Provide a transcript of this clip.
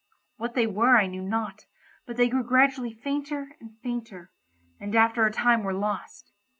What they were I knew not, but they grew gradually fainter and fainter, and after a time were lost.